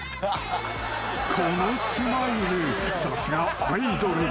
［このスマイル。